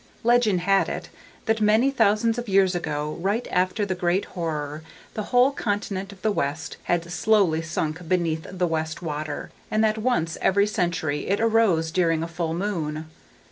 _ Legend had it, that many thousands of years ago, right after the Great Horror, the whole continent of the west had slowly sunk beneath the West Water, and that once every century it arose during a full moon.